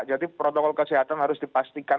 jadi protokol kesehatan harus dipastikan